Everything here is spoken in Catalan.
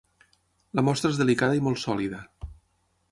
La mostra és delicada i molt sòlida.